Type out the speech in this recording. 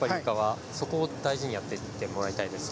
そこを大事にやっていってもらいたいです。